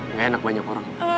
nggak enak banyak orang